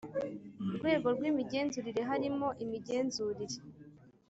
rwego rw imigenzurire harimo imigenzurire